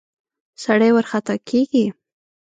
سړی ورخطا کېږي.